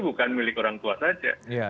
bukan milik orang tua saja